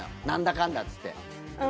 なんだかんだっつって。